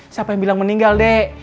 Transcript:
siapa yang bilang meninggal dek